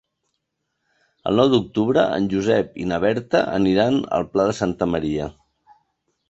El nou d'octubre en Josep i na Berta aniran al Pla de Santa Maria.